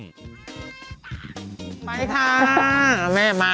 ไปค่ะแม่มา